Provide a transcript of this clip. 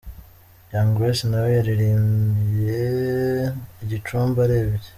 Young Grace nawe yaririmbiye i Gicumbi arembye.